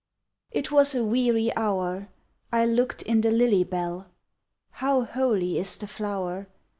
It was a weary hour, I looked in the lily bell. How holy is the flower!